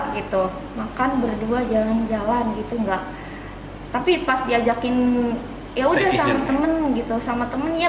gitu makan berdua jalan jalan gitu enggak tapi pas diajakin ya udah sama temen gitu sama temennya